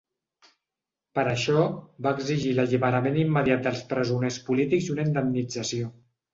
Per això, va exigir l’alliberament immediat dels presoners polítics i una indemnització.